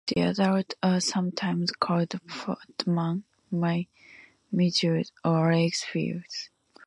The adults are sometimes called phantom midges or lake flies.